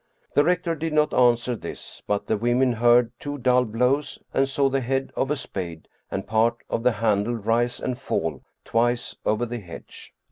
tThe rector did not answer this, but the women heard two dull blows and saw the head of a spade and part of the handle rise and fall twice over the hedge.